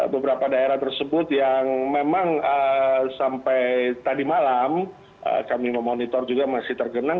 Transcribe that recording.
beberapa daerah tersebut yang memang sampai tadi malam kami memonitor juga masih tergenang